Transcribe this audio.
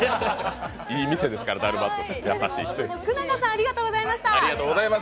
いい店ですから、ダルマット。